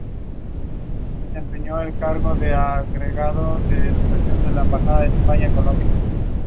Street fundraisers often work in teams.